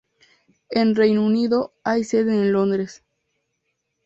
En Reino Unido hay sede en Londres.